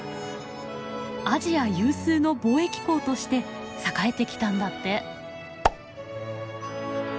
アジア有数の貿易港として栄えてきたんだって。